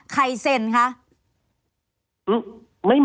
ใครเซ็นคะ